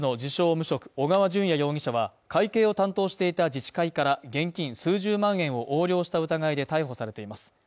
無職、小川順也容疑者は、会計を担当していた自治会から現金数十万円を横領した疑いで逮捕されています。